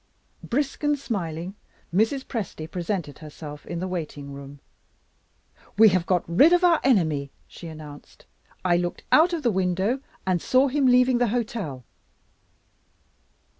Brisk and smiling, Mrs. Presty presented herself in the waiting room. "We have got rid of our enemy!" she announced, "I looked out of the window and saw him leaving the hotel."